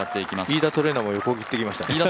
飯田トレーナーも横切っていきましたね。